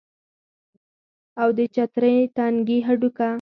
او د چترۍ تنکي هډونه